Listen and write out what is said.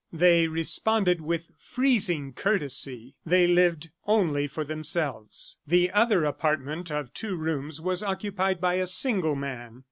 They responded with freezing courtesy; they lived only for themselves. The other apartment of two rooms was occupied by a single man.